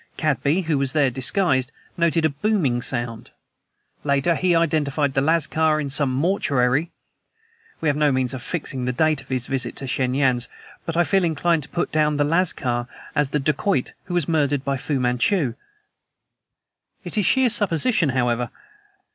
Cadby, who was there disguised, noted a booming sound. Later, he identified the lascar in some mortuary. We have no means of fixing the date of this visit to Shen Yan's, but I feel inclined to put down the 'lascar' as the dacoit who was murdered by Fu Manchu! It is sheer supposition, however.